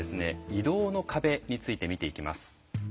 移動の壁について見ていきます。